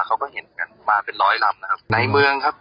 เขาก็เห็นมาเป็นร้อยรั้มนะครับ